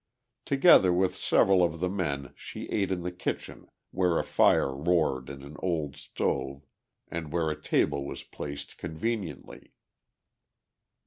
Together with several of the men she ate in the kitchen where a fire roared in an old stove, and where a table was placed conveniently.